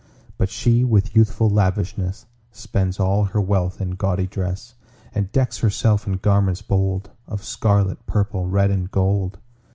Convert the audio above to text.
But she, with youthful lavishness, Spends all her wealth in gaudy dress, And decks herself in garments bold Of scarlet, purple, red, and gold.